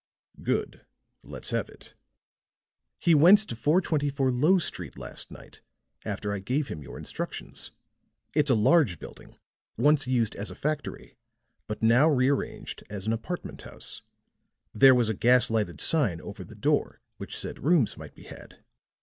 "Good. Let's have it." "He went to 424 Lowe Street last night after I gave him your instructions. It's a large building, once used as a factory, but now rearranged as an apartment house. There was a gas lighted sign over the door which said rooms might be had.